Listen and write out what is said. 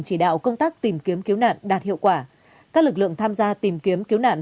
chỉ đạo công tác tìm kiếm cứu nạn đạt hiệu quả các lực lượng tham gia tìm kiếm cứu nạn